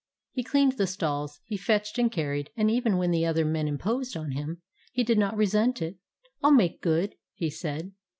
He cleaned the stalls, he fetched and carried, and even when the other men imposed on him, he did not resent it. "I 'll make good," he said.